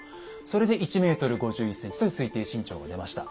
それで１ｍ５１ｃｍという推定身長が出ました。